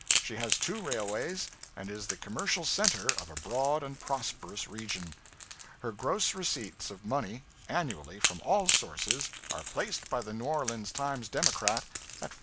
She has two railways, and is the commercial center of a broad and prosperous region. Her gross receipts of money, annually, from all sources, are placed by the New Orleans 'Times Democrat' at $4,000,000.